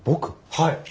はい。